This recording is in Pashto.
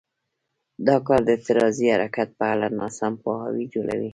دا کار د اعتراضي حرکت په اړه ناسم پوهاوی جوړوي.